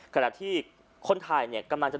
ก็มีผู้ใช้เฟซบุ๊คบรายเทศ